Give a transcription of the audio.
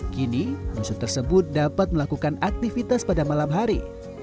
kini musuh tersebut dapat melakukan aktivitas pada malam hari